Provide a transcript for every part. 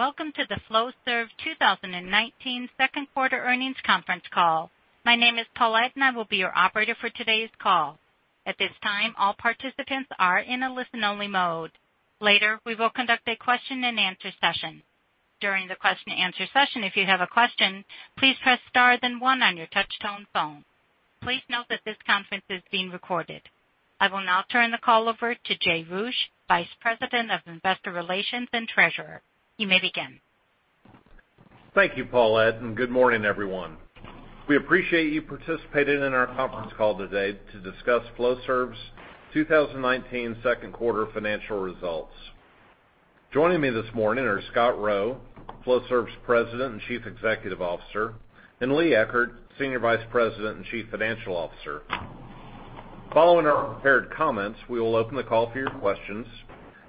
Welcome to the Flowserve 2019 second quarter earnings conference call. My name is Paulette, and I will be your operator for today's call. At this time, all participants are in a listen-only mode. Later, we will conduct a question and answer session. During the question answer session, if you have a question, please press star then one on your touch-tone phone. Please note that this conference is being recorded. I will now turn the call over to Jay Roueche, Vice President of Investor Relations and Treasurer. You may begin. Thank you, Paulette, and good morning, everyone. We appreciate you participating in our conference call today to discuss Flowserve's 2019 second-quarter financial results. Joining me this morning are Scott Rowe, Flowserve's President and Chief Executive Officer, and Lee Eckert, Senior Vice President and Chief Financial Officer. Following our prepared comments, we will open the call for your questions.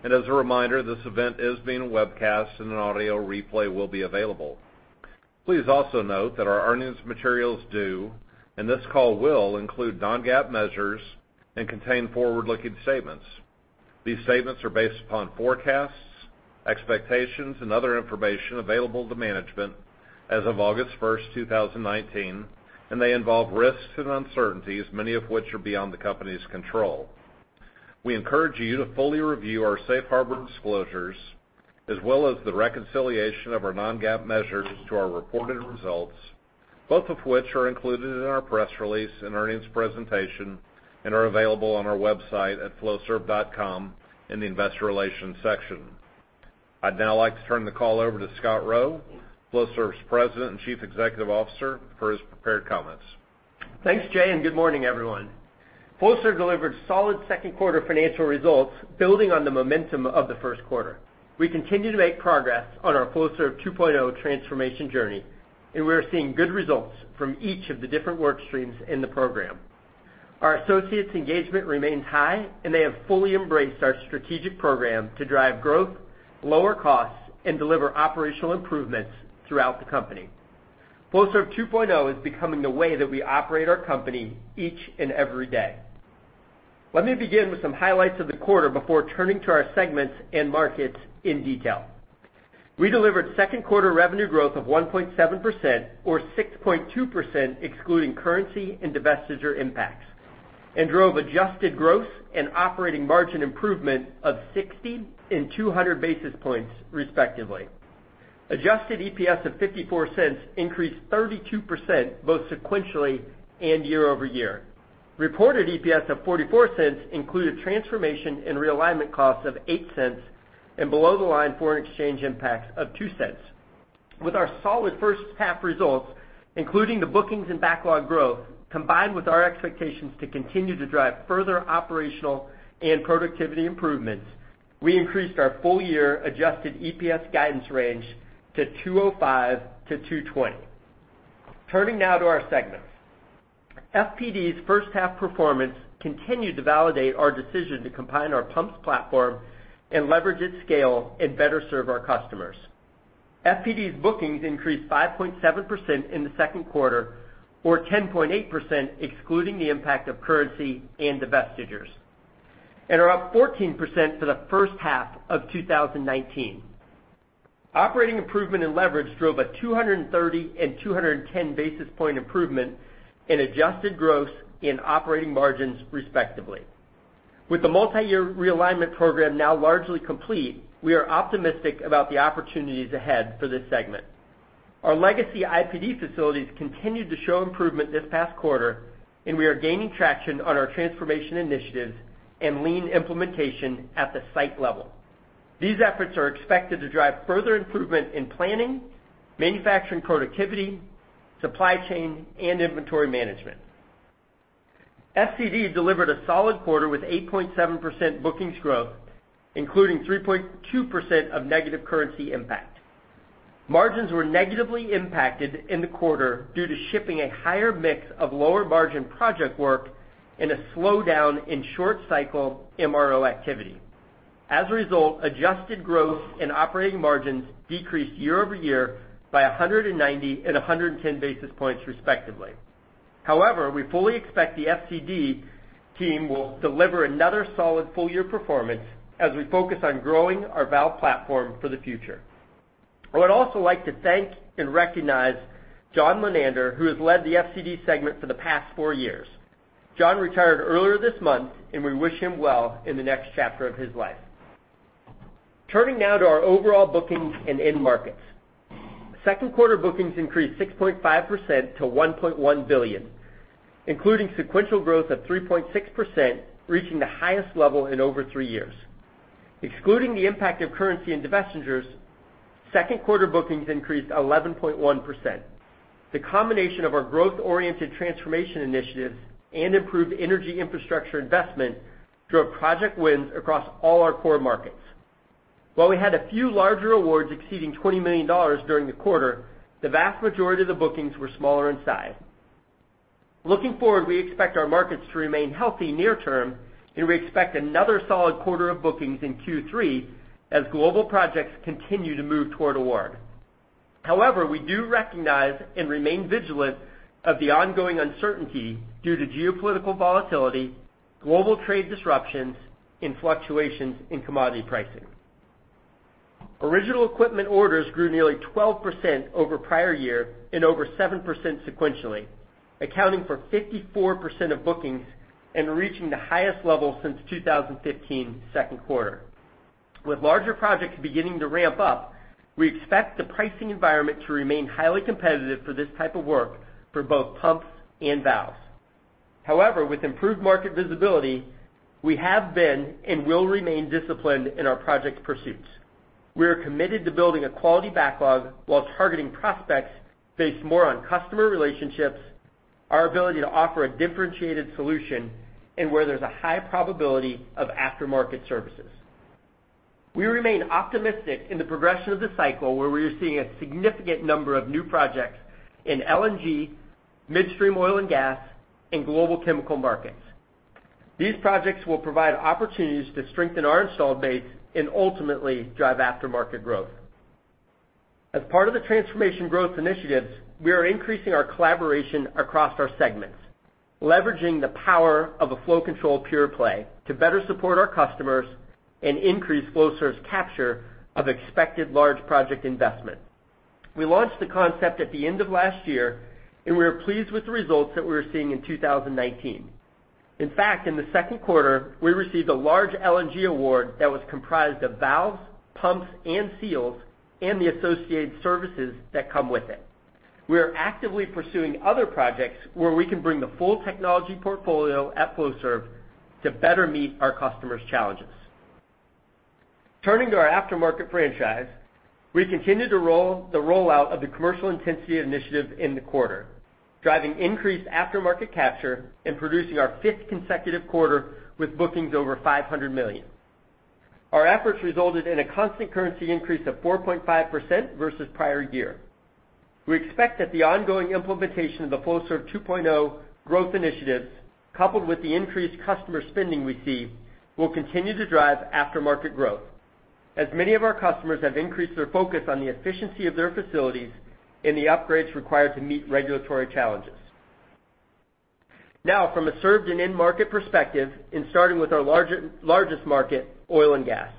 As a reminder, this event is being webcast and an audio replay will be available. Please also note that our earnings materials do, and this call will, include non-GAAP measures and contain forward-looking statements. These statements are based upon forecasts, expectations, and other information available to management as of August 1st, 2019, and they involve risks and uncertainties, many of which are beyond the company's control. We encourage you to fully review our safe harbor disclosures, as well as the reconciliation of our non-GAAP measures to our reported results, both of which are included in our press release and earnings presentation and are available on our website at flowserve.com in the investor relations section. I'd now like to turn the call over to Scott Rowe, Flowserve's President and Chief Executive Officer, for his prepared comments. Thanks, Jay. Good morning, everyone. Flowserve delivered solid second quarter financial results building on the momentum of the first quarter. We continue to make progress on our Flowserve 2.0 transformation journey, and we are seeing good results from each of the different work streams in the program. Our associates' engagement remains high, and they have fully embraced our strategic program to drive growth, lower costs, and deliver operational improvements throughout the company. Flowserve 2.0 is becoming the way that we operate our company each and every day. Let me begin with some highlights of the quarter before turning to our segments and markets in detail. We delivered second quarter revenue growth of 1.7%, or 6.2% excluding currency and divestiture impacts, and drove adjusted gross and operating margin improvement of 60 and 200 basis points, respectively. Adjusted EPS of $0.54 increased 32% both sequentially and year-over-year. Reported EPS of $0.44 included transformation and realignment costs of $0.08 and below-the-line foreign exchange impacts of $0.02. With our solid first half results, including the bookings and backlog growth, combined with our expectations to continue to drive further operational and productivity improvements, we increased our full-year adjusted EPS guidance range to $2.05-$2.20. Turning now to our segments. FPD's first half performance continued to validate our decision to combine our pumps platform and leverage its scale and better serve our customers. FPD's bookings increased 5.7% in the second quarter, or 10.8% excluding the impact of currency and divestitures, and are up 14% for the first half of 2019. Operating improvement and leverage drove a 230 and 210 basis point improvement in adjusted gross in operating margins, respectively. With the multi-year realignment program now largely complete, we are optimistic about the opportunities ahead for this segment. Our legacy IPD facilities continued to show improvement this past quarter. We are gaining traction on our transformation initiatives and lean implementation at the site level. These efforts are expected to drive further improvement in planning, manufacturing productivity, supply chain, and inventory management. FCD delivered a solid quarter with 8.7% bookings growth, including 3.2% of negative currency impact. Margins were negatively impacted in the quarter due to shipping a higher mix of lower margin project work and a slowdown in short cycle MRO activity. As a result, adjusted growth and operating margins decreased year-over-year by 190 and 110 basis points, respectively. We fully expect the FCD team will deliver another solid full-year performance as we focus on growing our valve platform for the future. I would also like to thank and recognize John Lenander, who has led the FCD segment for the past four years. John retired earlier this month, and we wish him well in the next chapter of his life. Turning now to our overall bookings and end markets. Second quarter bookings increased 6.5% to $1.1 billion, including sequential growth of 3.6%, reaching the highest level in over three years. Excluding the impact of currency and divestitures, second quarter bookings increased 11.1%. The combination of our growth-oriented transformation initiatives and improved energy infrastructure investment drove project wins across all our core markets. While we had a few larger awards exceeding $20 million during the quarter, the vast majority of the bookings were smaller in size. Looking forward, we expect our markets to remain healthy near term, and we expect another solid quarter of bookings in Q3 as global projects continue to move toward award. However, we do recognize and remain vigilant of the ongoing uncertainty due to geopolitical volatility, global trade disruptions, and fluctuations in commodity pricing. Original equipment orders grew nearly 12% over prior year and over 7% sequentially, accounting for 54% of bookings and reaching the highest level since 2015's second quarter. With larger projects beginning to ramp up, we expect the pricing environment to remain highly competitive for this type of work for both pumps and valves. However, with improved market visibility, we have been and will remain disciplined in our project pursuits. We are committed to building a quality backlog while targeting prospects based more on customer relationships, our ability to offer a differentiated solution, and where there's a high probability of aftermarket services. We remain optimistic in the progression of the cycle where we are seeing a significant number of new projects in LNG, midstream oil and gas, and global chemical markets. These projects will provide opportunities to strengthen our installed base and ultimately drive aftermarket growth. As part of the transformation growth initiatives, we are increasing our collaboration across our segments, leveraging the power of a flow control pure play to better support our customers and increase Flowserve's capture of expected large project investment. We launched the concept at the end of last year, and we are pleased with the results that we're seeing in 2019. In fact, in the second quarter, we received a large LNG award that was comprised of valves, pumps, and seals, and the associated services that come with it. We are actively pursuing other projects where we can bring the full technology portfolio at Flowserve to better meet our customers' challenges. Turning to our aftermarket franchise, we continued the rollout of the Commercial Intensity initiative in the quarter, driving increased aftermarket capture and producing our fifth consecutive quarter with bookings over $500 million. Our efforts resulted in a constant currency increase of 4.5% versus the prior year. We expect that the ongoing implementation of the Flowserve 2.0 growth initiatives, coupled with the increased customer spending we see, will continue to drive aftermarket growth, as many of our customers have increased their focus on the efficiency of their facilities and the upgrades required to meet regulatory challenges. Now, from a served and end market perspective and starting with our largest market, oil and gas.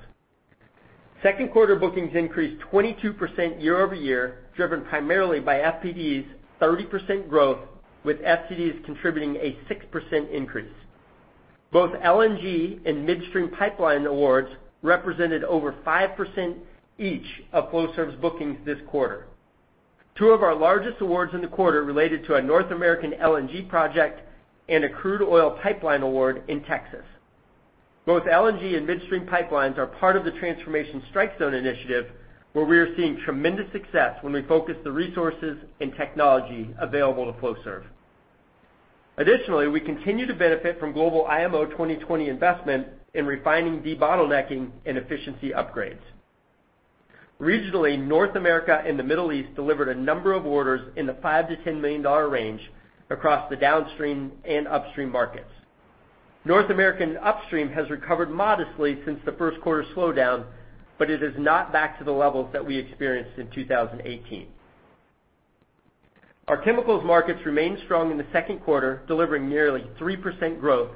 Second quarter bookings increased 22% year-over-year, driven primarily by FPD's 30% growth, with FCD's contributing a 6% increase. Both LNG and midstream pipeline awards represented over 5% each of Flowserve's bookings this quarter. Two of our largest awards in the quarter related to a North American LNG project and a crude oil pipeline award in Texas. Both LNG and midstream pipelines are part of the Transformation Strike Zone initiative, where we are seeing tremendous success when we focus the resources and technology available to Flowserve. Additionally, we continue to benefit from global IMO 2020 investment in refining debottlenecking and efficiency upgrades. Regionally, North America and the Middle East delivered a number of orders in the $5 million-$10 million range across the downstream and upstream markets. North American upstream has recovered modestly since the first quarter slowdown, but it is not back to the levels that we experienced in 2018. Our chemicals markets remained strong in the second quarter, delivering nearly 3% growth,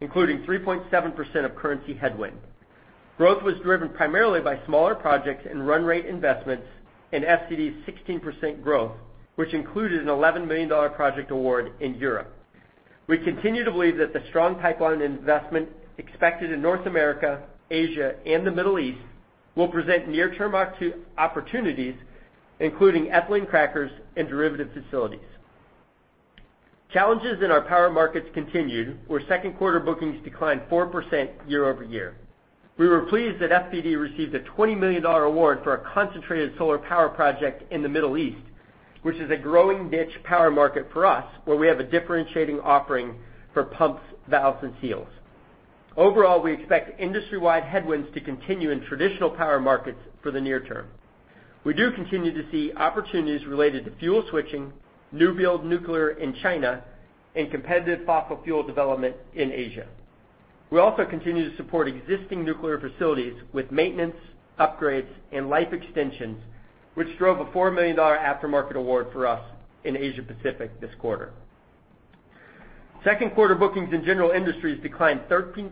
including 3.7% of currency headwind. Growth was driven primarily by smaller projects and run rate investments in FCD's 16% growth, which included an $11 million project award in Europe. We continue to believe that the strong pipeline investment expected in North America, Asia, and the Middle East will present near-term opportunities, including ethylene crackers and derivative facilities. Challenges in our power markets continued, where second quarter bookings declined 4% year-over-year. We were pleased that FPD received a $20 million award for a concentrated solar power project in the Middle East, which is a growing niche power market for us, where we have a differentiating offering for pumps, valves, and seals. Overall, we expect industry-wide headwinds to continue in traditional power markets for the near term. We do continue to see opportunities related to fuel switching, new-build nuclear in China, and competitive fossil fuel development in Asia. We also continue to support existing nuclear facilities with maintenance, upgrades, and life extensions, which drove a $4 million aftermarket award for us in Asia Pacific this quarter. Second quarter bookings in general industries declined 13%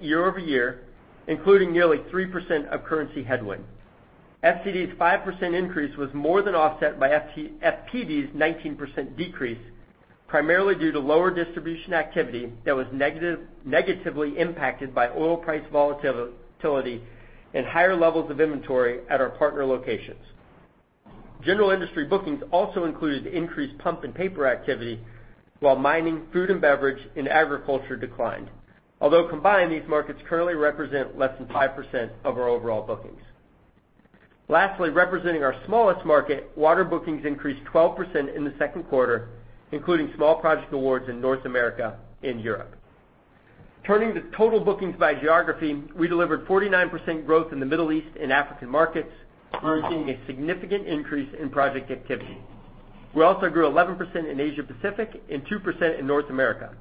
year-over-year, including nearly 3% of currency headwind. FCD's 5% increase was more than offset by FPD's 19% decrease, primarily due to lower distribution activity that was negatively impacted by oil price volatility and higher levels of inventory at our partner locations. General industry bookings also included increased pump and paper activity while mining, food & beverage, and agriculture declined. Although combined, these markets currently represent less than 5% of our overall bookings. Lastly, representing our smallest market, water bookings increased 12% in the second quarter, including small project awards in North America and Europe. Turning to total bookings by geography, we delivered 49% growth in the Middle East and African markets. We are seeing a significant increase in project activity. We also grew 11% in Asia Pacific and 2% in North America.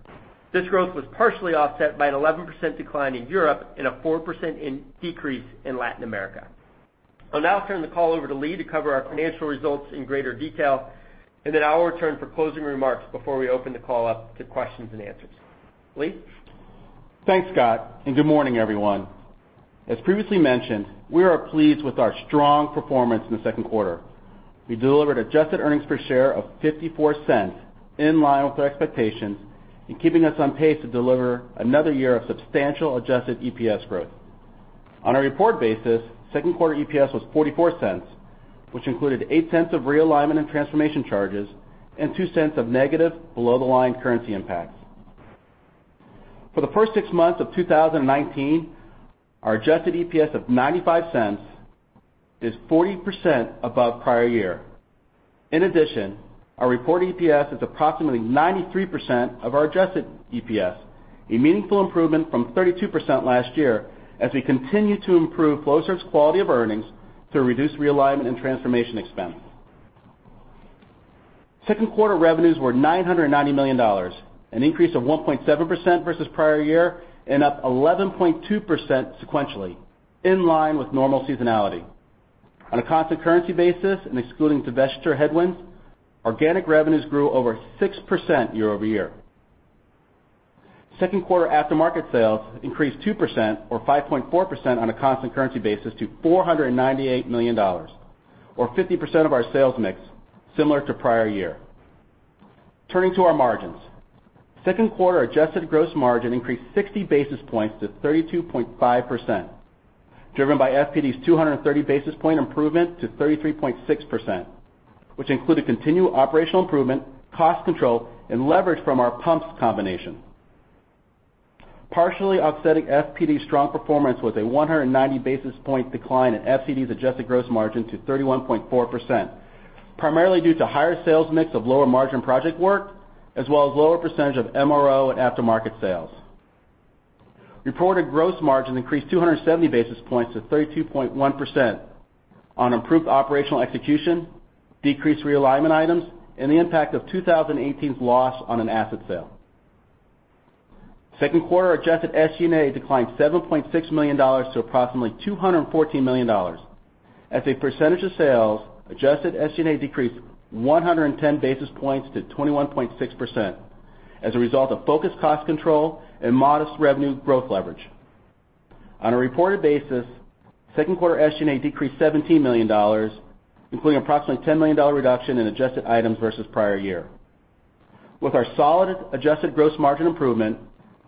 This growth was partially offset by an 11% decline in Europe and a 4% decrease in Latin America. I'll now turn the call over to Lee to cover our financial results in greater detail, and then I will return for closing remarks before we open the call up to questions and answers. Lee? Thanks, Scott, and good morning, everyone. As previously mentioned, we are pleased with our strong performance in the second quarter. We delivered adjusted earnings per share of $0.54, in line with our expectations, and keeping us on pace to deliver another year of substantial adjusted EPS growth. On a report basis, second quarter EPS was $0.44, which included $0.08 of realignment and transformation charges and $0.02 of negative below-the-line currency impacts. For the first six months of 2019, our adjusted EPS of $0.95 is 40% above prior year. In addition, our reported EPS is approximately 93% of our adjusted EPS, a meaningful improvement from 32% last year as we continue to improve Flowserve's quality of earnings through reduced realignment and transformation expense. Second quarter revenues were $990 million, an increase of 1.7% versus prior year, and up 11.2% sequentially, in line with normal seasonality. On a constant currency basis and excluding divestiture headwinds, organic revenues grew over 6% year-over-year. Second quarter aftermarket sales increased 2%, or 5.4% on a constant currency basis, to $498 million, or 50% of our sales mix, similar to prior year. Turning to our margins. Second quarter adjusted gross margin increased 60 basis points to 32.5%, driven by FPD's 230 basis point improvement to 33.6%, which included continued operational improvement, cost control, and leverage from our pumps combination. Partially offsetting FPD's strong performance was a 190 basis point decline in FCD's adjusted gross margin to 31.4%, primarily due to higher sales mix of lower margin project work, as well as lower percentage of MRO and aftermarket sales. Reported gross margin increased 270 basis points to 32.1% on improved operational execution, decreased realignment items, and the impact of 2018's loss on an asset sale. Second quarter adjusted SG&A declined $7.6 million to approximately $214 million. As a percentage of sales, adjusted SG&A decreased 110 basis points to 21.6% as a result of focused cost control and modest revenue growth leverage. On a reported basis, second quarter SG&A decreased $17 million, including approximately a $10 million reduction in adjusted items versus the prior year. With our solid adjusted gross margin improvement,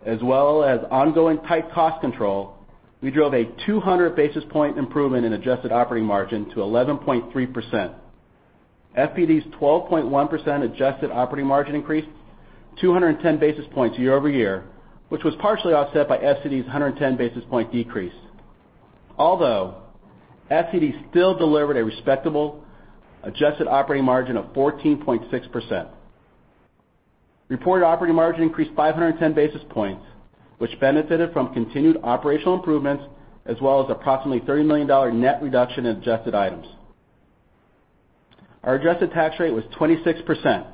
as well as ongoing tight cost control, we drove a 200 basis point improvement in adjusted operating margin to 11.3%. FPD's 12.1% adjusted operating margin increased 210 basis points year-over-year, which was partially offset by FCD's 110 basis point decrease, although FCD still delivered a respectable adjusted operating margin of 14.6%. Reported operating margin increased 510 basis points, which benefited from continued operational improvements, as well as approximately $30 million net reduction in adjusted items. Our adjusted tax rate was 26%,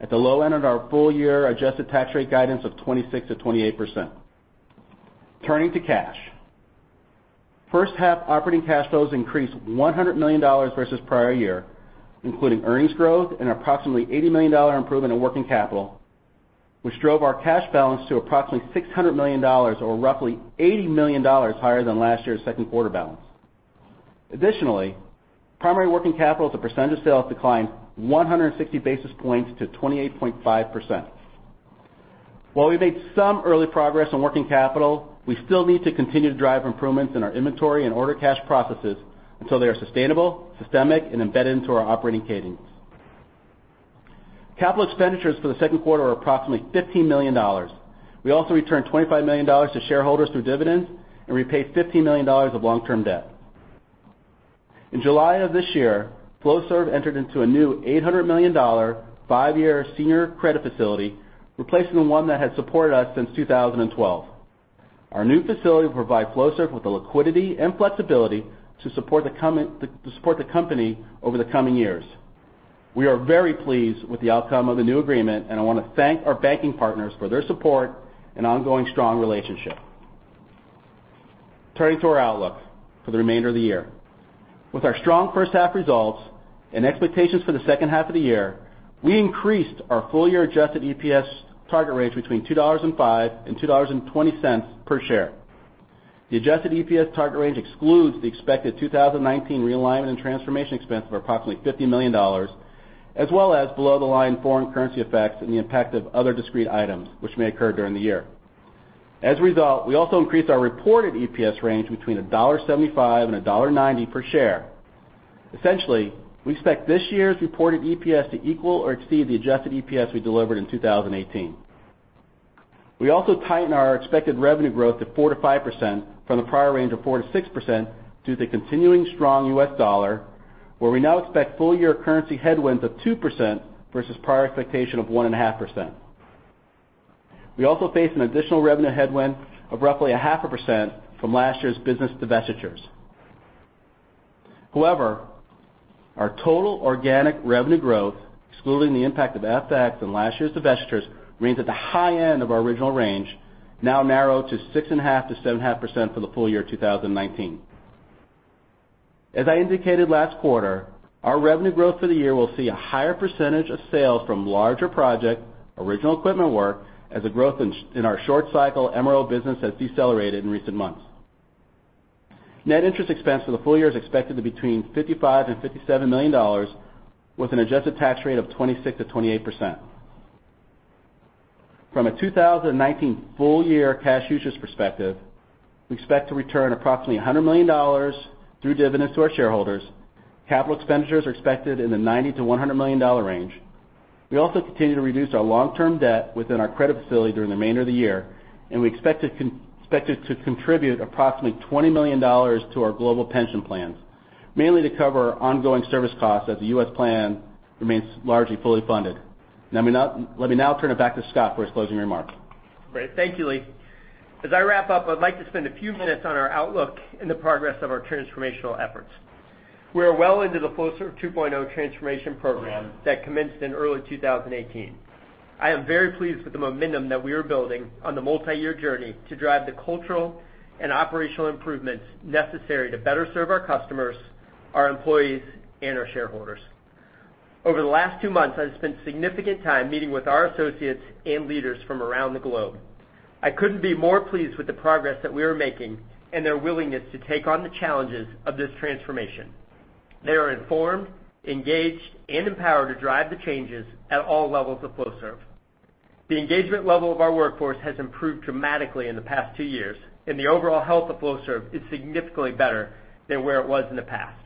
at the low end of our full-year adjusted tax rate guidance of 26%-28%. Turning to cash. First half operating cash flows increased $100 million versus the prior year, including earnings growth and approximately $80 million improvement in working capital, which drove our cash balance to approximately $600 million, or roughly $80 million higher than last year's second quarter balance. Primary working capital as a percentage of sales declined 160 basis points to 28.5%. While we've made some early progress on working capital, we still need to continue to drive improvements in our inventory and order cash processes until they are sustainable, systemic, and embedded into our operating cadence. Capital expenditures for the second quarter were approximately $15 million. We also returned $25 million to shareholders through dividends and repaid $15 million of long-term debt. In July of this year, Flowserve entered into a new $800 million, five-year senior credit facility, replacing the one that has supported us since 2012. Our new facility will provide Flowserve with the liquidity and flexibility to support the company over the coming years. We are very pleased with the outcome of the new agreement, and I want to thank our banking partners for their support and ongoing strong relationship. Turning to our outlook for the remainder of the year. With our strong first half results and expectations for the second half of the year, we increased our full-year adjusted EPS target range between $2.05 and $2.20 per share. The adjusted EPS target range excludes the expected 2019 realignment and transformation expense of approximately $50 million, as well as below-the-line foreign currency effects and the impact of other discrete items which may occur during the year. As a result, we also increased our reported EPS range between $1.75 and $1.90 per share. Essentially, we expect this year's reported EPS to equal or exceed the adjusted EPS we delivered in 2018. We also tightened our expected revenue growth to 4%-5% from the prior range of 4%-6% due to the continuing strong U.S. dollar, where we now expect full-year currency headwinds of 2% versus the prior expectation of 1.5%. We also face an additional revenue headwind of roughly 0.5% from last year's business divestitures. However, our total organic revenue growth, excluding the impact of FX and last year's divestitures, means that the high end of our original range now narrow to 6.5%-7.5% for the full year 2019. As I indicated last quarter, our revenue growth for the year will see a higher percentage of sales from larger project original equipment work as the growth in our short cycle MRO business has decelerated in recent months. Net interest expense for the full year is expected to between $55 million-$57 million, with an adjusted tax rate of 26%-28%. From a 2019 full year cash interest perspective, we expect to return approximately $100 million through dividends to our shareholders. Capital expenditures are expected in the $90 million-$100 million range. We also continue to reduce our long-term debt within our credit facility during the remainder of the year. We expect it to contribute approximately $20 million to our global pension plans, mainly to cover our ongoing service costs as the U.S. plan remains largely fully funded. Let me now turn it back to Scott for his closing remarks. Great. Thank you, Lee. As I wrap up, I'd like to spend a few minutes on our outlook and the progress of our transformational efforts. We are well into the Flowserve 2.0 transformation program that commenced in early 2018. I am very pleased with the momentum that we are building on the multi-year journey to drive the cultural and operational improvements necessary to better serve our customers, our employees, and our shareholders. Over the last two months, I've spent significant time meeting with our associates and leaders from around the globe. I couldn't be more pleased with the progress that we are making and their willingness to take on the challenges of this transformation. They are informed, engaged, and empowered to drive the changes at all levels of Flowserve. The engagement level of our workforce has improved dramatically in the past two years, and the overall health of Flowserve is significantly better than where it was in the past.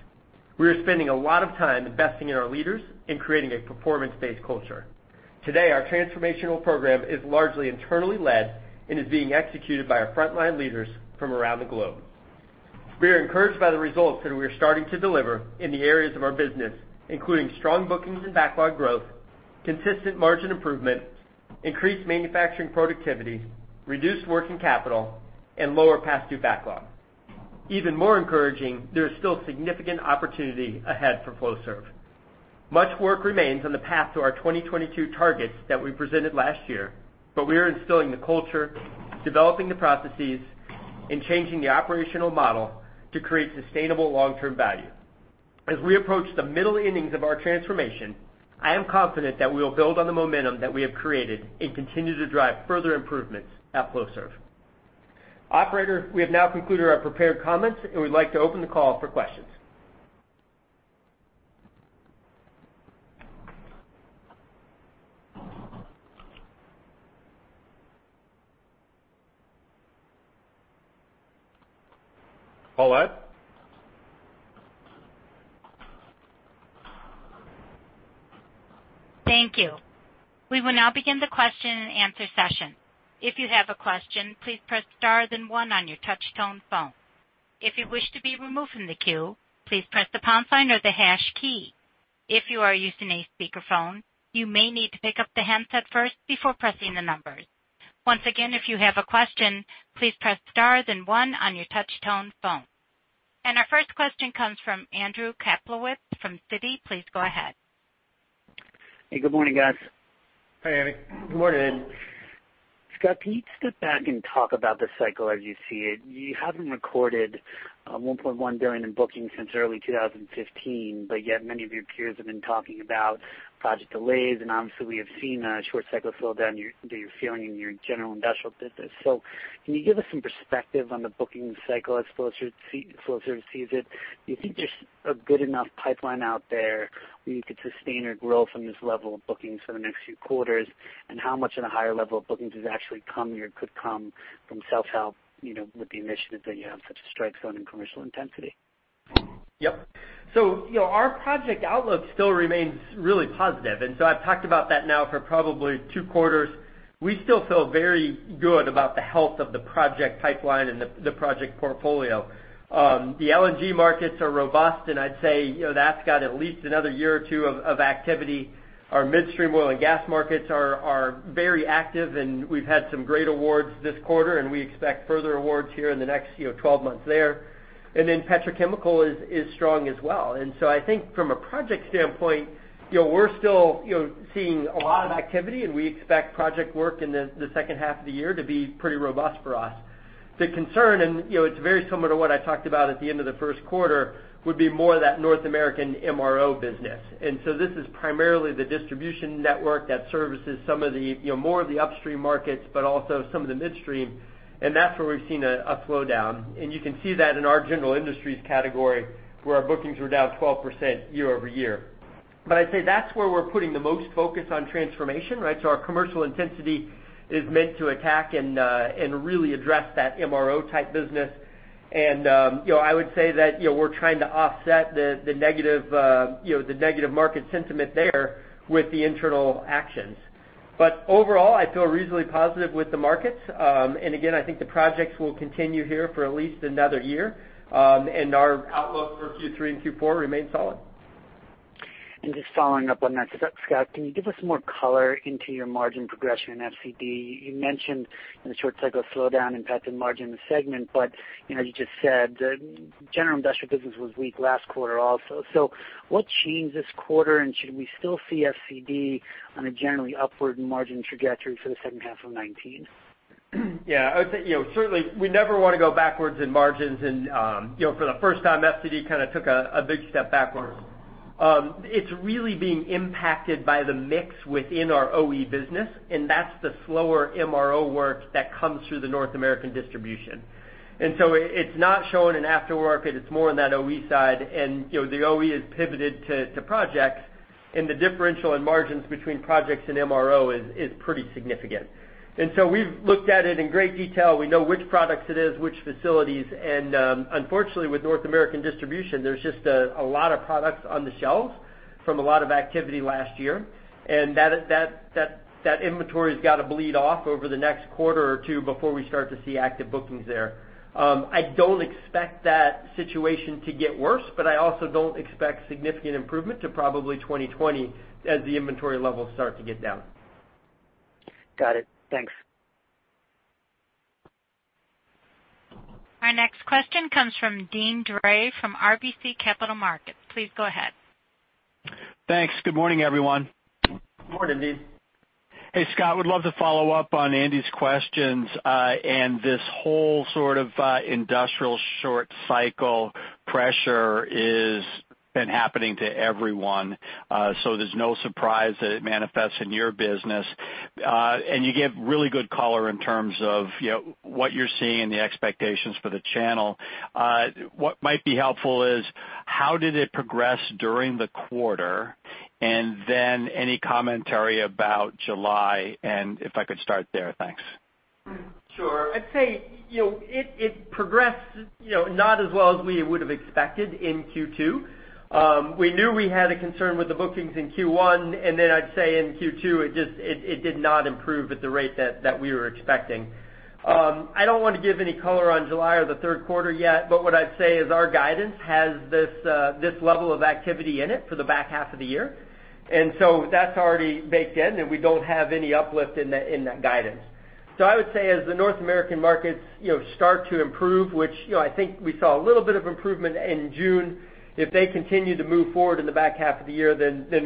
We are spending a lot of time investing in our leaders and creating a performance-based culture. Today, our transformational program is largely internally led and is being executed by our frontline leaders from around the globe. We are encouraged by the results that we are starting to deliver in the areas of our business, including strong bookings and backlog growth, consistent margin improvement, increased manufacturing productivity, reduced working capital, and lower past due backlog. Even more encouraging, there is still significant opportunity ahead for Flowserve. Much work remains on the path to our 2022 targets that we presented last year, but we are instilling the culture, developing the processes, and changing the operational model to create sustainable long-term value. As we approach the middle innings of our transformation, I am confident that we will build on the momentum that we have created and continue to drive further improvements at Flowserve. Operator, we have now concluded our prepared comments and we'd like to open the call for questions. Operator? Thank you. We will now begin the question and answer session. If you have a question, please press star then one on your touch tone phone. If you wish to be removed from the queue, please press the pound sign or the hash key. If you are using a speakerphone, you may need to pick up the handset first before pressing the numbers. Once again, if you have a question, please press star then one on your touch tone phone. Our first question comes from Andy Kaplowitz from Citi. Please go ahead. Hey, good morning, guys. Hey, Andy. Good morning. Scott, can you step back and talk about the cycle as you see it? You haven't recorded $1.1 billion in bookings since early 2015, yet many of your peers have been talking about project delays, and obviously we have seen a short cycle slowdown that you're feeling in your general industrial business. Can you give us some perspective on the booking cycle as Flowserve sees it? Do you think there's a good enough pipeline out there where you could sustain or grow from this level of bookings for the next few quarters? How much at a higher level of bookings has actually come or could come from self-help, with the initiatives that you have, such as Strike Zone and Commercial Intensity? Yep. Our project outlook still remains really positive, I've talked about that now for probably two quarters. We still feel very good about the health of the project pipeline and the project portfolio. The LNG markets are robust, and I'd say that's got at least another year or two of activity. Our midstream oil and gas markets are very active, and we've had some great awards this quarter, and we expect further awards here in the next 12 months there. Petrochemical is strong as well. I think from a project standpoint, we're still seeing a lot of activity, and we expect project work in the second half of the year to be pretty robust for us. The concern, and it's very similar to what I talked about at the end of the first quarter, would be more that North American MRO business. This is primarily the distribution network that services more of the upstream markets, but also some of the midstream, and that's where we've seen a slowdown. You can see that in our general industries category, where our bookings were down 12% year-over-year. I'd say that's where we're putting the most focus on transformation, right? Our Commercial Intensity is meant to attack and really address that MRO type business. I would say that we're trying to offset the negative market sentiment there with the internal actions. Overall, I feel reasonably positive with the markets. Again, I think the projects will continue here for at least another year. Our outlook for Q3 and Q4 remains solid. Just following up on that, Scott, can you give us more color into your margin progression in FCD? You mentioned in the short cycle slowdown impact in margin in the segment, but you just said the general industrial business was weak last quarter also. What changed this quarter, and should we still see FCD on a generally upward margin trajectory for the second half of 2019? Yeah. I would say, certainly we never want to go backwards in margins. For the first time, FCD kind of took a big step backwards. It's really being impacted by the mix within our OE business, and that's the slower MRO work that comes through the North American distribution. It's not shown in aftermarket, it's more on that OE side. The OE is pivoted to projects, and the differential in margins between projects and MRO is pretty significant. We've looked at it in great detail. We know which products it is, which facilities. Unfortunately, with North American distribution, there's just a lot of products on the shelves from a lot of activity last year. That inventory's got to bleed off over the next quarter or two before we start to see active bookings there. I don't expect that situation to get worse, but I also don't expect significant improvement to probably 2020 as the inventory levels start to get down. Got it. Thanks. Our next question comes from Deane Dray from RBC Capital Markets. Please go ahead. Thanks. Good morning, everyone. Good morning, Deane. Hey, Scott, would love to follow up on Andy's questions. This whole sort of industrial short cycle pressure has been happening to everyone. There's no surprise that it manifests in your business. You give really good color in terms of what you're seeing and the expectations for the channel. What might be helpful is how did it progress during the quarter, and then any commentary about July and if I could start there. Thanks. Sure. I'd say, it progressed not as well as we would've expected in Q2. We knew we had a concern with the bookings in Q1, then I'd say in Q2, it did not improve at the rate that we were expecting. I don't want to give any color on July or the third quarter yet, what I'd say is our guidance has this level of activity in it for the back half of the year. That's already baked in, we don't have any uplift in that guidance. I would say as the North American markets start to improve, which I think we saw a little bit of improvement in June, if they continue to move forward in the back half of the year,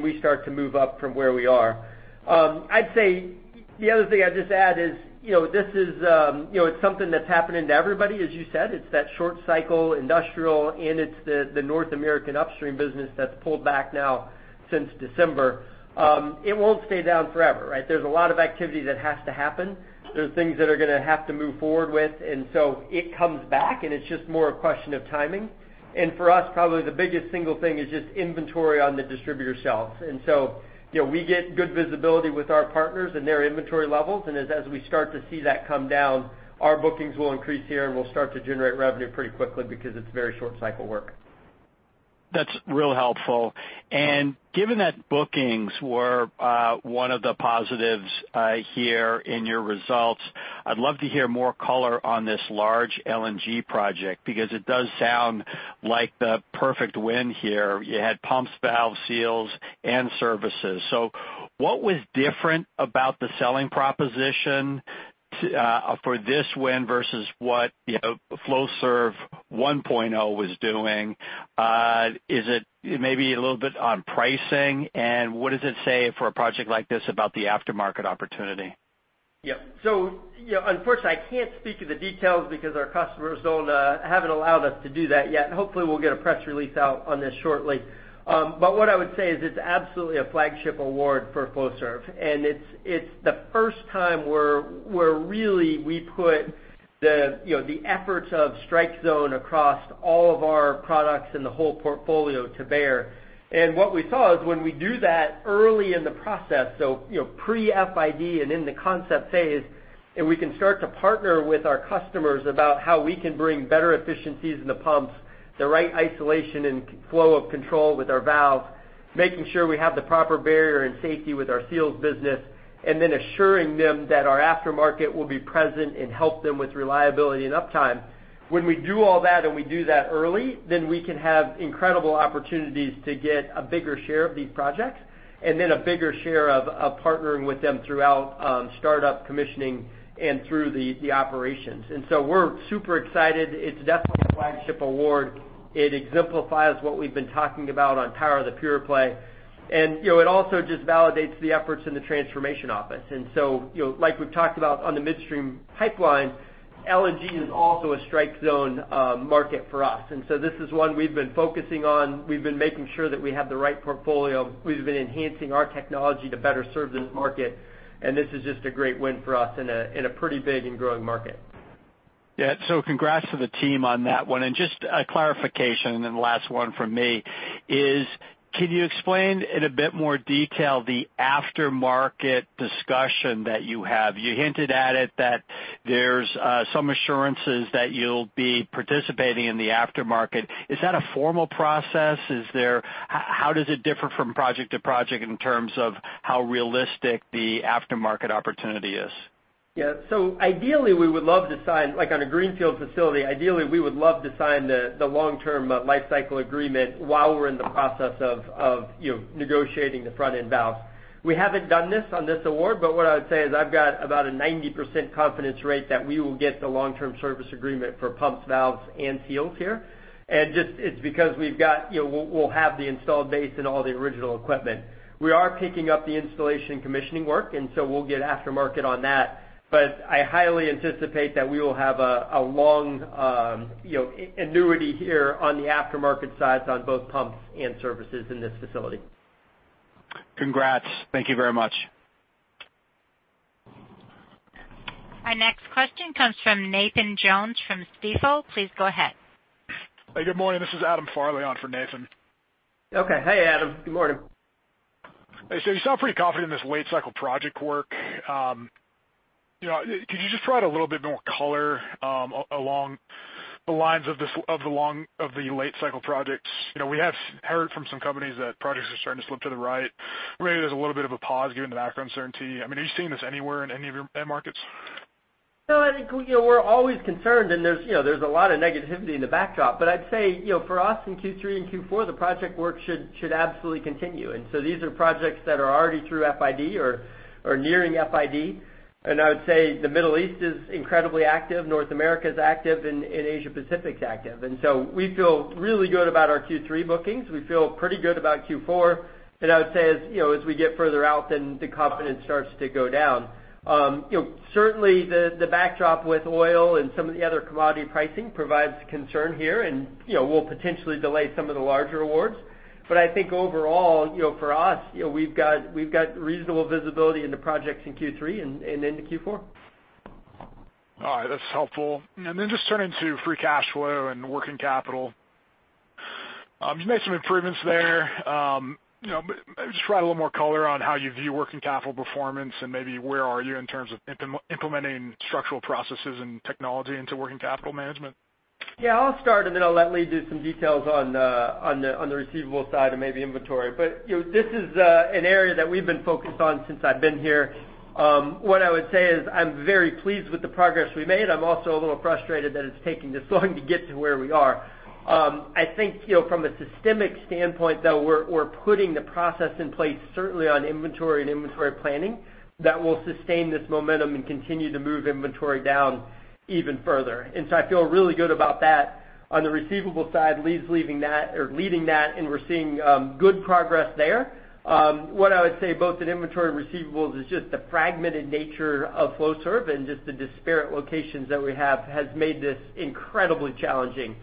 we start to move up from where we are. The other thing I'd just add is, it's something that's happening to everybody, as you said. It's that short cycle industrial, and it's the North American upstream business that's pulled back now since December. It won't stay down forever, right? There's a lot of activity that has to happen. There are things that are going to have to move forward with. It comes back, and it's just more a question of timing. For us, probably the biggest single thing is just inventory on the distributor shelves. We get good visibility with our partners and their inventory levels. As we start to see that come down, our bookings will increase here, and we'll start to generate revenue pretty quickly because it's very short cycle work. That's real helpful. Given that bookings were one of the positives here in your results, I'd love to hear more color on this large LNG project because it does sound like the perfect win here. You had pumps, valves, seals, and services. So what was different about the selling proposition for this win versus what Flowserve 1.0 was doing? Is it maybe a little bit on pricing, and what does it say for a project like this about the aftermarket opportunity? Yep. Unfortunately, I can't speak to the details because our customers haven't allowed us to do that yet. Hopefully, we'll get a press release out on this shortly. What I would say is it's absolutely a flagship award for Flowserve, and it's the first time where really we put the efforts of Strike Zone across all of our products and the whole portfolio to bear. What we saw is when we do that early in the process, so pre-FID and in the concept phase, we can start to partner with our customers about how we can bring better efficiencies in the pumps, the right isolation and flow of control with our valve, making sure we have the proper barrier and safety with our seals business, and then assuring them that our aftermarket will be present and help them with reliability and uptime. When we do all that and we do that early, we can have incredible opportunities to get a bigger share of these projects, and then a bigger share of partnering with them throughout startup commissioning and through the operations. We're super excited. It's definitely a flagship award. It exemplifies what we've been talking about on power of the pure play. It also just validates the efforts in the Transformation Office. Like we've talked about on the midstream pipeline, LNG is also a Strike Zone market for us. This is one we've been focusing on. We've been making sure that we have the right portfolio. We've been enhancing our technology to better serve this market, and this is just a great win for us in a pretty big and growing market. Yeah. Congrats to the team on that one. Just a clarification, and then last one from me is, can you explain in a bit more detail the aftermarket discussion that you have? You hinted at it that there's some assurances that you'll be participating in the aftermarket. Is that a formal process? How does it differ from project to project in terms of how realistic the aftermarket opportunity is? Ideally, we would love to sign, like on a greenfield facility, ideally we would love to sign the long-term life cycle agreement while we're in the process of negotiating the front-end valve. We haven't done this on this award, what I would say is I've got about a 90% confidence rate that we will get the long-term service agreement for pumps, valves, and seals here. It's because we'll have the installed base and all the original equipment. We are picking up the installation commissioning work, we'll get aftermarket on that. I highly anticipate that we will have a long annuity here on the aftermarket side on both pumps and services in this facility. Congrats. Thank you very much. Our next question comes from Nathan Jones from Stifel. Please go ahead. Hey, good morning. This is Adam Farley on for Nathan. Okay. Hey, Adam. Good morning. Hey. You sound pretty confident in this late cycle project work. Could you just provide a little bit more color along the lines of the late cycle projects? We have heard from some companies that projects are starting to slip to the right. Maybe there's a little bit of a pause given the macro uncertainty. Are you seeing this anywhere in any of your end markets? I think we're always concerned. There's a lot of negativity in the backdrop. I'd say for us in Q3 and Q4, the project work should absolutely continue. These are projects that are already through FID or are nearing FID. I would say the Middle East is incredibly active, North America is active, and Asia Pacific's active. We feel really good about our Q3 bookings. We feel pretty good about Q4. I would say as we get further out, the confidence starts to go down. Certainly, the backdrop with oil and some of the other commodity pricing provides concern here and will potentially delay some of the larger awards. I think overall for us, we've got reasonable visibility into projects in Q3 and into Q4. All right. That's helpful. Just turning to free cash flow and working capital. You made some improvements there. Maybe just provide a little more color on how you view working capital performance and maybe where are you in terms of implementing structural processes and technology into working capital management. Yeah, I'll start and then I'll let Lee do some details on the receivables side and maybe inventory. This is an area that we've been focused on since I've been here. What I would say is I'm very pleased with the progress we made. I'm also a little frustrated that it's taking this long to get to where we are. I think, from a systemic standpoint, though, we're putting the process in place, certainly on inventory and inventory planning, that will sustain this momentum and continue to move inventory down even further. I feel really good about that. On the receivables side, Lee's leading that, and we're seeing good progress there. What I would say both in inventory and receivables is just the fragmented nature of Flowserve and just the disparate locations that we have has made this incredibly challenging.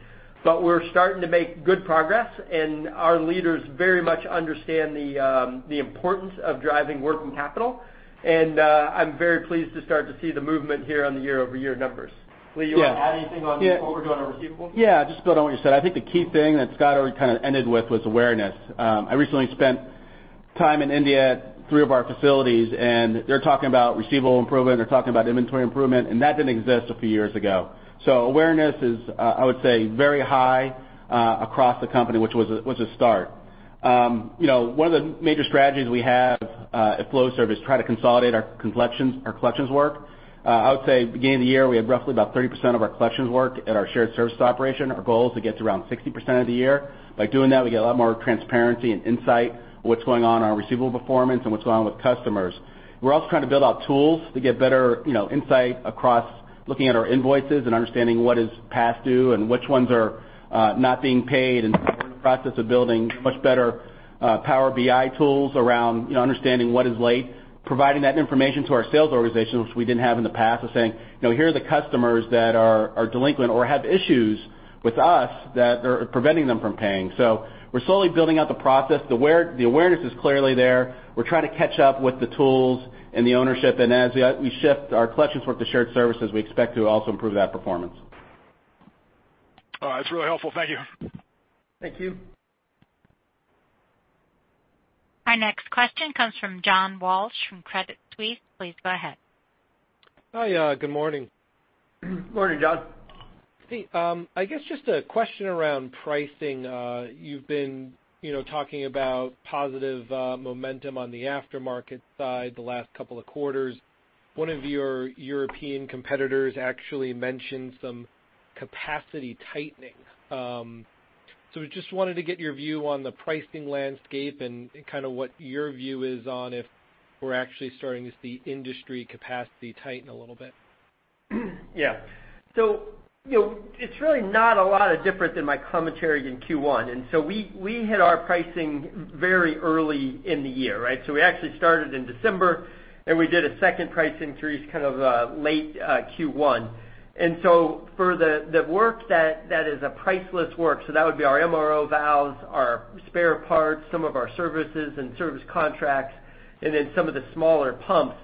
We're starting to make good progress, and our leaders very much understand the importance of driving working capital. I'm very pleased to start to see the movement here on the year-over-year numbers. Lee, you want to add anything on overdue on receivables? Just to build on what you said. I think the key thing that Scott already kind of ended with was awareness. I recently spent time in India at three of our facilities, and they're talking about receivable improvement, they're talking about inventory improvement, and that didn't exist a few years ago. Awareness is, I would say, very high across the company, which was a start. One of the major strategies we have at Flowserve is try to consolidate our collections work. I would say beginning of the year, we had roughly about 30% of our collections work at our shared service operation. Our goal is to get to around 60% of the year. By doing that, we get a lot more transparency and insight what's going on in our receivable performance and what's going on with customers. We're also trying to build out tools to get better insight across looking at our invoices and understanding what is past due and which ones are not being paid. We're in the process of building much better Power BI tools around understanding what is late, providing that information to our sales organization, which we didn't have in the past, of saying, "Here are the customers that are delinquent or have issues with us that are preventing them from paying." We're slowly building out the process. The awareness is clearly there. We're trying to catch up with the tools and the ownership, and as we shift our collections work to shared services, we expect to also improve that performance. All right. That's really helpful. Thank you. Thank you. Our next question comes from John Walsh from Credit Suisse. Please go ahead. Hi. Good morning. Morning, John. I guess just a question around pricing. You've been talking about positive momentum on the aftermarket side the last couple of quarters. One of your European competitors actually mentioned some capacity tightening. We just wanted to get your view on the pricing landscape and kind of what your view is on if we're actually starting to see industry capacity tighten a little bit. Yeah. It's really not a lot of different than my commentary in Q1. We hit our pricing very early in the year, right? We actually started in December, and we did a second pricing increase kind of late Q1. For the work that is a priceless work, so that would be our MRO valves, our spare parts, some of our services and service contracts, and then some of the smaller pumps,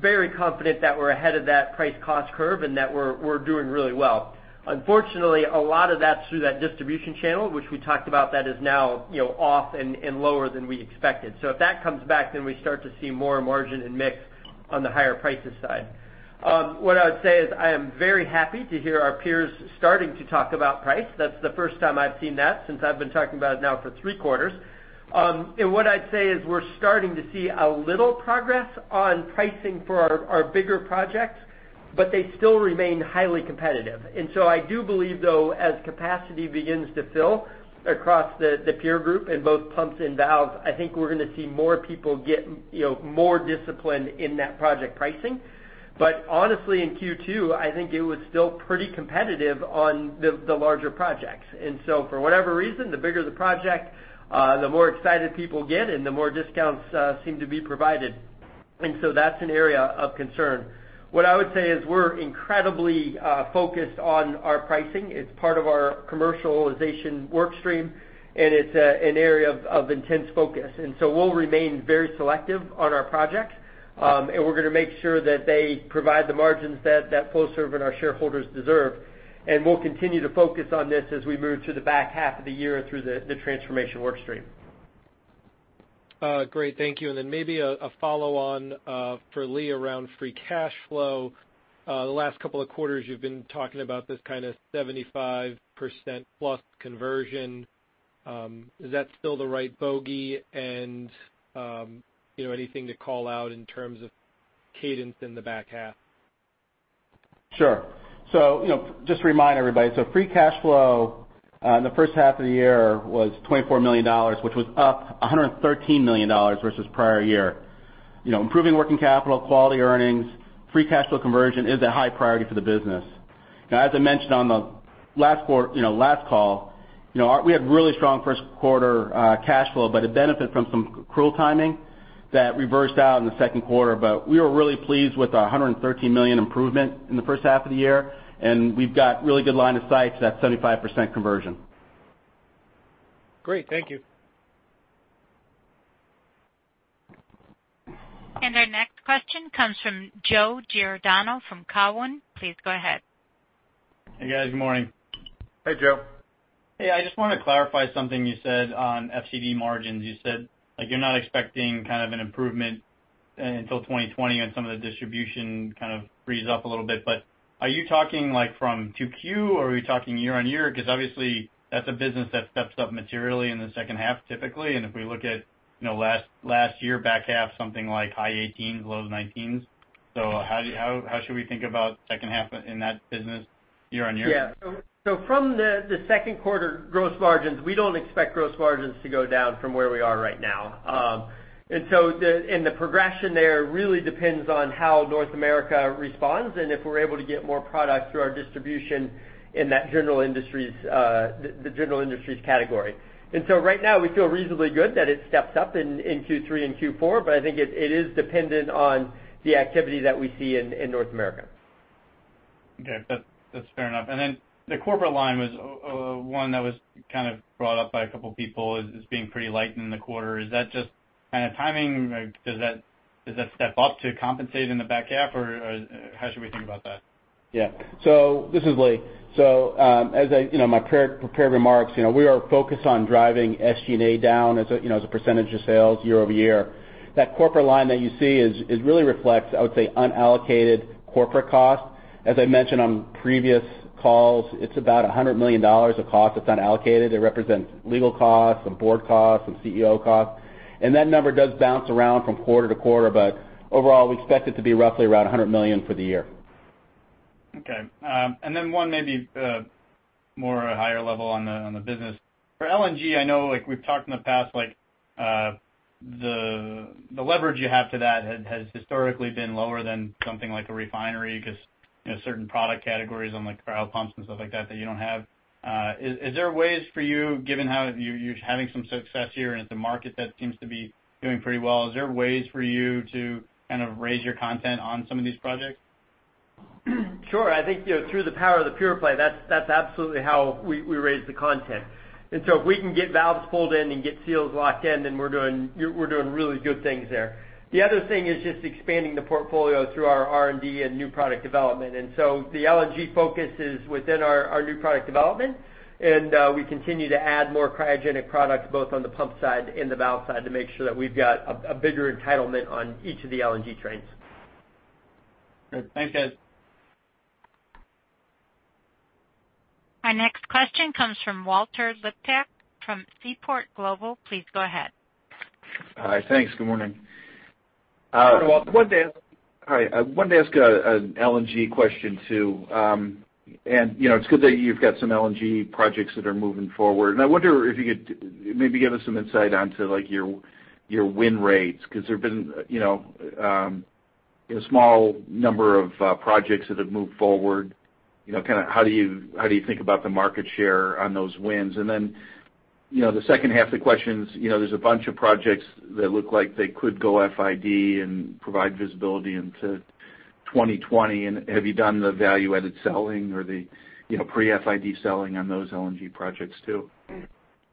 very confident that we're ahead of that price cost curve and that we're doing really well. Unfortunately, a lot of that's through that distribution channel, which we talked about that is now off and lower than we expected. If that comes back, we start to see more margin and mix on the higher prices side. What I would say is I am very happy to hear our peers starting to talk about price. That's the first time I've seen that since I've been talking about it now for three quarters. What I'd say is we're starting to see a little progress on pricing for our bigger projects, but they still remain highly competitive. I do believe, though, as capacity begins to fill across the peer group in both pumps and valves, I think we're going to see more people get more discipline in that project pricing. Honestly, in Q2, I think it was still pretty competitive on the larger projects. For whatever reason, the bigger the project, the more excited people get and the more discounts seem to be provided. That's an area of concern. What I would say is we're incredibly focused on our pricing. It's part of our commercialization work stream, and it's an area of intense focus. We'll remain very selective on our projects, and we're going to make sure that they provide the margins that Flowserve and our shareholders deserve. We'll continue to focus on this as we move to the back half of the year through the transformation work stream. Great. Thank you. Then maybe a follow-on for Lee around free cash flow. The last couple of quarters you've been talking about this kind of 75%-plus conversion. Is that still the right bogey? Anything to call out in terms of cadence in the back half? Sure. Just to remind everybody, free cash flow in the first half of the year was $24 million, which was up $113 million versus prior year. Improving working capital, quality earnings, free cash flow conversion is a high priority for the business. As I mentioned on the last call, we had really strong first quarter cash flow, but it benefited from some accrual timing that reversed out in the second quarter. We were really pleased with our $113 million improvement in the first half of the year, and we've got really good line of sight to that 75% conversion. Great. Thank you. Our next question comes from Joe Giordano from Cowen. Please go ahead. Hey, guys. Good morning. Hey, Joe. Hey, I just wanted to clarify something you said on FCD margins. You said you're not expecting kind of an improvement until 2020 on some of the distribution kind of frees up a little bit. Are you talking from 2Q or are we talking year-on-year? Obviously that's a business that steps up materially in the second half typically, if we look at last year back half, something like high 18%-low 19%. How should we think about second half in that business year-on-year? Yeah. From the second quarter gross margins, we don't expect gross margins to go down from where we are right now. The progression there really depends on how North America responds and if we're able to get more product through our distribution in the general industries category. Right now we feel reasonably good that it steps up in Q3 and Q4, I think it is dependent on the activity that we see in North America. Okay. That's fair enough. The corporate line was one that was kind of brought up by a couple people as being pretty light in the quarter. Is that just kind of timing or does that step up to compensate in the back half, or how should we think about that? This is Lee. In my prepared remarks, we are focused on driving SG&A down as a percentage of sales year-over-year. That corporate line that you see really reflects, I would say, unallocated corporate cost. As I mentioned on previous calls, it's about $100 million of cost that's unallocated. It represents legal costs and board costs and CEO costs. That number does bounce around from quarter to quarter, but overall, we expect it to be roughly around $100 million for the year. Okay. One maybe more higher level on the business. For LNG, I know we've talked in the past, the leverage you have to that has historically been lower than something like a refinery because certain product categories on cryo pumps and stuff like that you don't have. Is there ways for you, given how you're having some success here and it's a market that seems to be doing pretty well, is there ways for you to kind of raise your content on some of these projects? Sure. I think through the power of the pure play, that's absolutely how we raise the content. If we can get valves pulled in and get seals locked in, then we're doing really good things there. The other thing is just expanding the portfolio through our R&D and new product development. The LNG focus is within our new product development, and we continue to add more cryogenic products both on the pump side and the valve side to make sure that we've got a bigger entitlement on each of the LNG trains. Good. Thanks, guys. Our next question comes from Walter Liptak from Seaport Global. Please go ahead. Hi. Thanks. Good morning. Hi, Walter. Hi. I wanted to ask an LNG question, too. It's good that you've got some LNG projects that are moving forward, and I wonder if you could maybe give us some insight into your win rates, because there have been a small number of projects that have moved forward. How do you think about the market share on those wins? The second half of the question is, there's a bunch of projects that look like they could go FID and provide visibility into 2020, and have you done the value-added selling or the pre-FID selling on those LNG projects, too?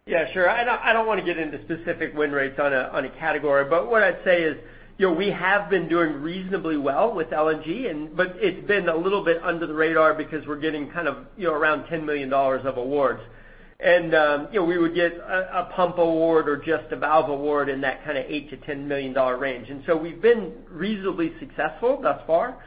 Yeah, sure. I don't want to get into specific win rates on a category, but what I'd say is we have been doing reasonably well with LNG, but it's been a little bit under the radar because we're getting around $10 million of awards. We would get a pump award or just a valve award in that kind of $8 million-$10 million range. We've been reasonably successful thus far.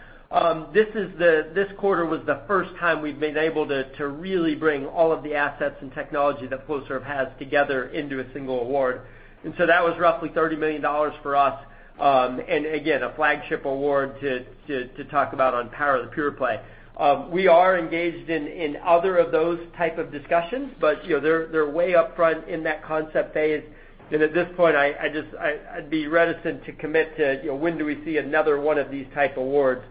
This quarter was the first time we've been able to really bring all of the assets and technology that Flowserve has together into a single award. That was roughly $30 million for us. Again, a flagship award to talk about on power, the pure play. We are engaged in other of those type of discussions, but they're way up front in that concept phase. At this point, I'd be reticent to commit to when do we see another one of these type awards,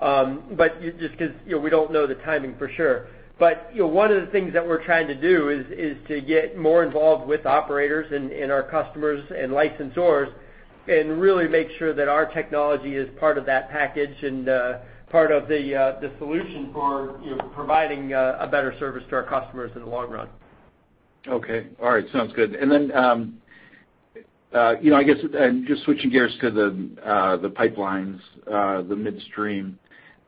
just because we don't know the timing for sure. One of the things that we're trying to do is to get more involved with operators and our customers and licensors and really make sure that our technology is part of that package and part of the solution for providing a better service to our customers in the long run. Okay. All right. Sounds good. Just switching gears to the pipelines, the midstream.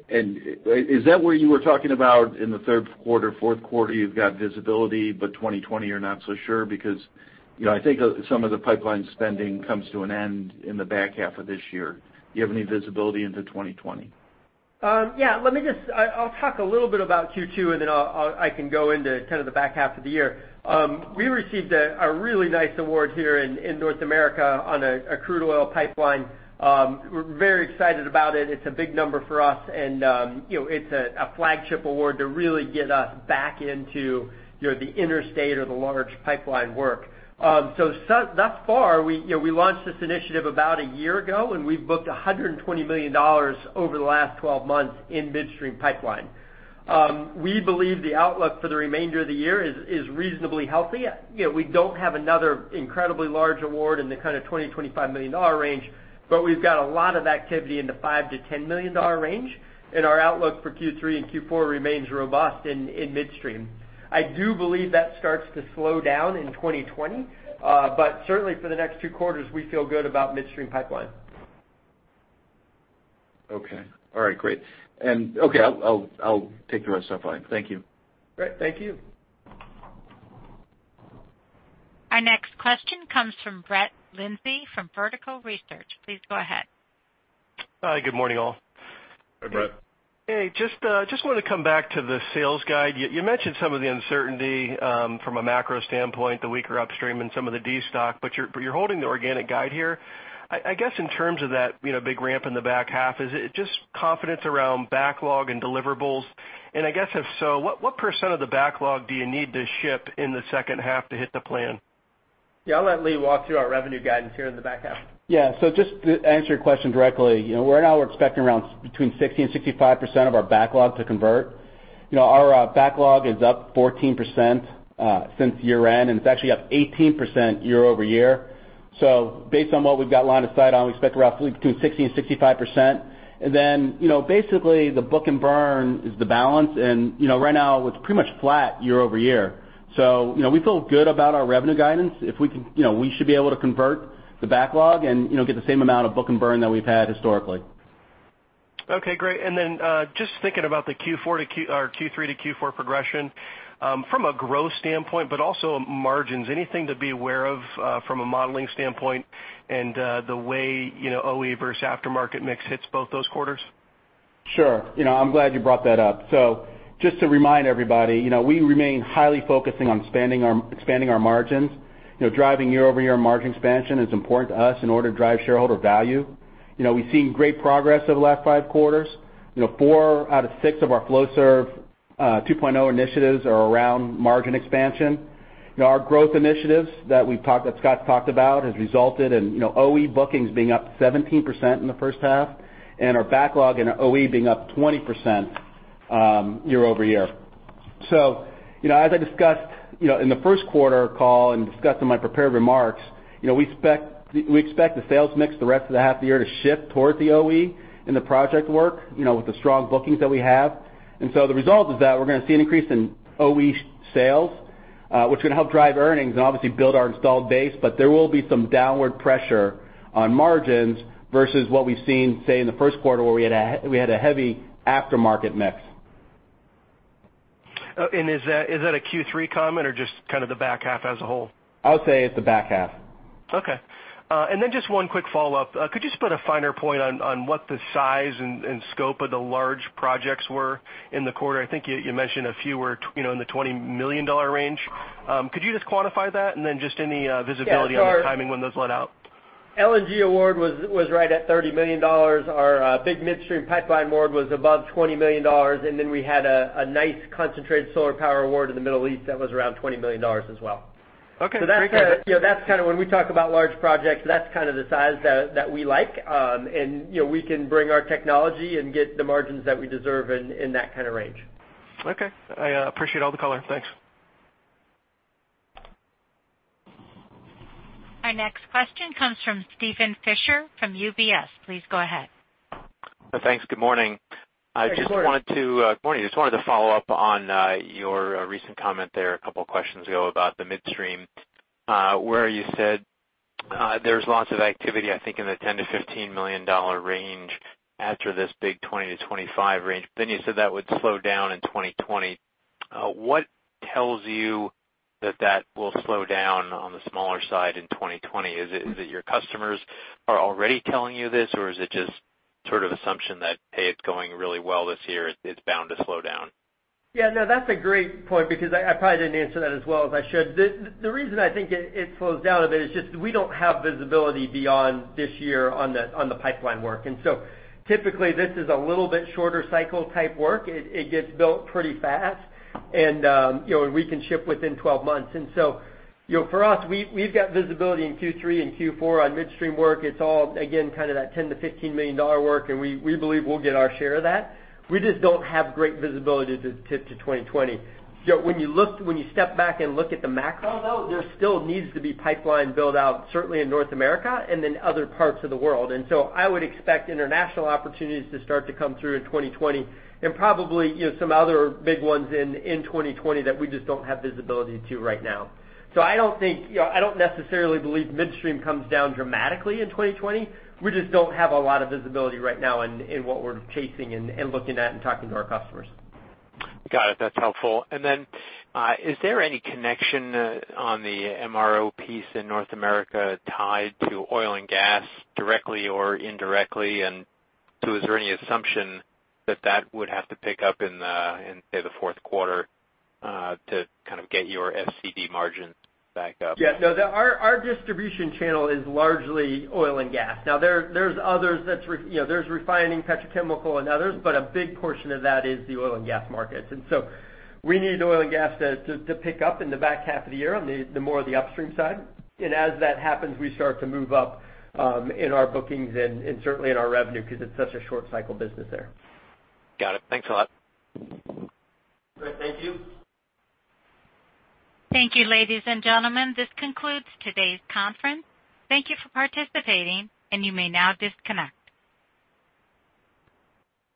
Is that where you were talking about in the third quarter, fourth quarter, you've got visibility, but 2020 you're not so sure because I think some of the pipeline spending comes to an end in the back half of this year? Do you have any visibility into 2020? Yeah. I'll talk a little bit about Q2, then I can go into kind of the back half of the year. We received a really nice award here in North America on a crude oil pipeline. We're very excited about it. It's a big number for us. It's a flagship award to really get us back into the interstate or the large pipeline work. Thus far, we launched this initiative about a year ago, and we've booked $120 million over the last 12 months in midstream pipeline. We believe the outlook for the remainder of the year is reasonably healthy. We don't have another incredibly large award in the kind of $20 million-$25 million range, but we've got a lot of activity in the $5 million-$10 million range, and our outlook for Q3 and Q4 remains robust in midstream. I do believe that starts to slow down in 2020. Certainly, for the next two quarters, we feel good about midstream pipeline. Okay. All right, great. Okay, I'll take the rest offline. Thank you. Great. Thank you. Our next question comes from Brett Lindsey from Vertical Research. Please go ahead. Hi. Good morning, all. Hey, Brett. Hey, just want to come back to the sales guide. You mentioned some of the uncertainty from a macro standpoint, the weaker upstream and some of the destock, but you're holding the organic guide here. I guess in terms of that big ramp in the back half, is it just confidence around backlog and deliverables? I guess if so, what % of the backlog do you need to ship in the second half to hit the plan? Yeah, I'll let Lee walk through our revenue guidance here in the back half. Just to answer your question directly, right now we're expecting around between 60% and 65% of our backlog to convert. Our backlog is up 14% since year-end, it's actually up 18% year-over-year. Based on what we've got line of sight on, we expect roughly between 60% and 65%. Basically the book and burn is the balance. Right now, it's pretty much flat year-over-year. We feel good about our revenue guidance. We should be able to convert the backlog and get the same amount of book and burn that we've had historically. Okay, great. Just thinking about the Q3 to Q4 progression from a growth standpoint, but also margins, anything to be aware of from a modeling standpoint and the way OE versus aftermarket mix hits both those quarters? Sure. I'm glad you brought that up. Just to remind everybody, we remain highly focusing on expanding our margins. Driving year-over-year margin expansion is important to us in order to drive shareholder value. We've seen great progress over the last five quarters. Four out of six of our Flowserve 2.0 initiatives are around margin expansion. Our growth initiatives that Scott talked about has resulted in OE bookings being up 17% in the first half, and our backlog and OE being up 20% year-over-year. As I discussed in the first quarter call and discussed in my prepared remarks, we expect the sales mix the rest of the half of the year to shift towards the OE in the project work with the strong bookings that we have. The result is that we're going to see an increase in OE sales, which are going to help drive earnings and obviously build our installed base, but there will be some downward pressure on margins versus what we've seen, say, in the first quarter, where we had a heavy aftermarket mix. Is that a Q3 comment or just kind of the back half as a whole? I would say it's the back half. Okay. Just one quick follow-up. Could you just put a finer point on what the size and scope of the large projects were in the quarter? I think you mentioned a few were in the $20 million range. Could you just quantify that just any visibility on the timing when those let out? LNG award was right at $30 million. Our big midstream pipeline award was above $20 million. We had a nice concentrated solar power award in the Middle East that was around $20 million as well. Okay. That's kind of when we talk about large projects, that's kind of the size that we like. We can bring our technology and get the margins that we deserve in that kind of range. Okay. I appreciate all the color. Thanks. Our next question comes from Steven Fisher from UBS. Please go ahead. Thanks. Good morning. Good morning. Morning. Just wanted to follow up on your recent comment there, a couple of questions ago about the midstream, where you said there's lots of activity, I think, in the $10 million-$15 million range after this big $20 million-$25 million range. You said that would slow down in 2020. What tells you that that will slow down on the smaller side in 2020? Is it that your customers are already telling you this, or is it just sort of assumption that, "Hey, it's going really well this year, it's bound to slow down? Yeah, no, that's a great point because I probably didn't answer that as well as I should. The reason I think it slows down a bit is just we don't have visibility beyond this year on the pipeline work. Typically this is a little bit shorter cycle type work. It gets built pretty fast and we can ship within 12 months. For us, we've got visibility in Q3 and Q4 on midstream work. It's all, again, kind of that $10 million-$15 million work, and we believe we'll get our share of that. We just don't have great visibility to 2020. When you step back and look at the macro, though, there still needs to be pipeline build-out, certainly in North America and then other parts of the world. I would expect international opportunities to start to come through in 2020 and probably some other big ones in 2020 that we just don't have visibility to right now. I don't necessarily believe midstream comes down dramatically in 2020. We just don't have a lot of visibility right now in what we're chasing and looking at and talking to our customers. Got it. That's helpful. Is there any connection on the MRO piece in North America tied to oil and gas, directly or indirectly, is there any assumption that that would have to pick up in, say, the fourth quarter, to kind of get your FCD margin back up? Yeah, no, our distribution channel is largely oil and gas. There's others. There's refining, petrochemical and others, but a big portion of that is the oil and gas markets. We need oil and gas to pick up in the back half of the year on the more of the upstream side. As that happens, we start to move up, in our bookings and certainly in our revenue, because it's such a short cycle business there. Got it. Thanks a lot. Great. Thank you. Thank you, ladies and gentlemen. This concludes today's conference. Thank you for participating, and you may now disconnect.